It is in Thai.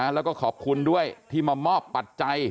แล้วก็ขอบคุณด้วยที่มามอบปัจจัย